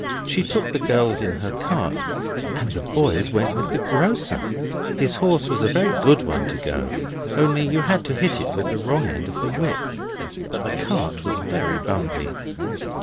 She took the girls in her cart, and the boys went with the grocer. His horse was a very good one to go, only you had to hit it with the wrong end of the whip. But the cart was very bumpety.